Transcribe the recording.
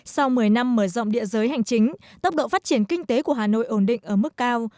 sau một mươi năm mở rộng địa giới hành chính tốc độ phát triển kinh tế của hà nội ổn định ở mức cao